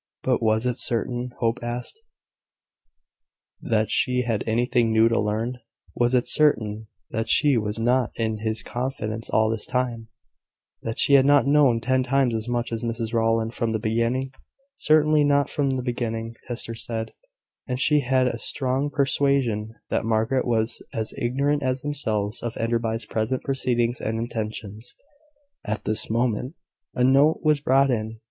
But was it certain, Hope asked, that she had anything new to learn? Was it certain that she was not in his confidence all this time that she had not known ten times as much as Mrs Rowland from the beginning? Certainly not from the beginning, Hester said; and she had a strong persuasion that Margaret was as ignorant as themselves of Enderby's present proceedings and intentions. At this moment, a note was brought in.